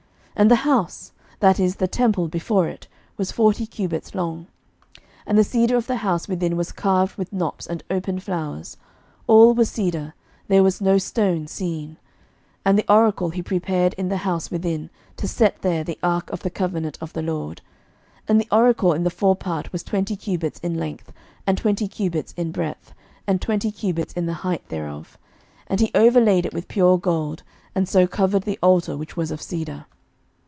11:006:017 And the house, that is, the temple before it, was forty cubits long. 11:006:018 And the cedar of the house within was carved with knops and open flowers: all was cedar; there was no stone seen. 11:006:019 And the oracle he prepared in the house within, to set there the ark of the covenant of the LORD. 11:006:020 And the oracle in the forepart was twenty cubits in length, and twenty cubits in breadth, and twenty cubits in the height thereof: and he overlaid it with pure gold; and so covered the altar which was of cedar.